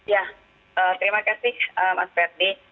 ya terima kasih mas ferdi